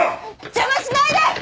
邪魔しないで！